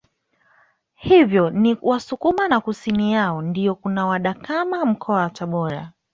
Hivyo ni Wasukuma na kusini yao ndio kuna wadakama Mkoa wa Tabora